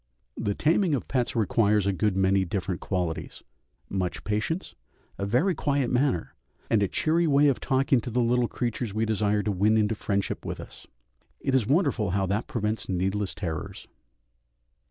The taming of pets requires a good many different qualities much patience, a very quiet manner, and a cheery way of talking to the little creatures we desire to win into friendship with us; it is wonderful how that prevents needless terrors.